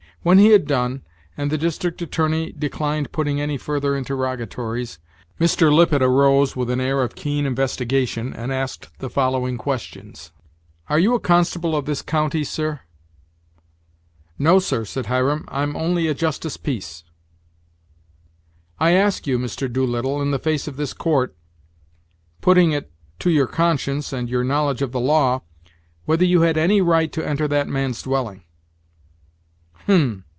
When he had done, and the district attorney declined putting any further interrogatories, Mr. Lippet arose, with an air of keen investigation, and asked the following questions: "Are you a constable of this county, sir?" "No, sir," said Hiram, "I'm only a justice peace." "I ask you, Mr. Doolittle, in the face of this court, putting it to your conscience and your knowledge of the law, whether you had any right to enter that man's dwelling?" "Hem!"